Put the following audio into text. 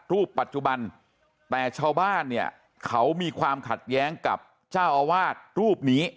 รูปปัจจุบันแต่ชาวบ้านเนี่ยเขามีความขัดแย้งกับเจ้าอาวาสรูปนี้